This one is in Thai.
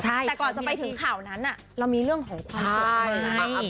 แต่ก่อนจะไปถึงข่าวนั้นเรามีเรื่องของคุณสุด